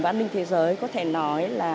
và an ninh thế giới có thể nói là